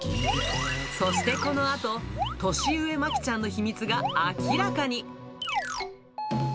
そしてこのあと、年上まきちゃんの秘密が明らかに。